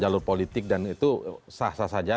jalur politik dan itu sah sah saja